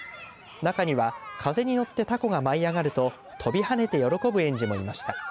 中には風に乗ってたこが舞い揚がると飛び跳ねて喜ぶ園児もいました。